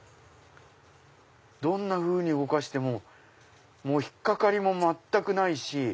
どんなふうに動かしても引っ掛かりも全くないし。